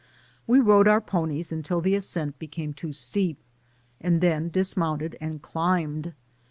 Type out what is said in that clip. We rode our ponies until the ascent became too steep, and then dismounted and climbed.